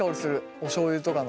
おしょうゆとかの。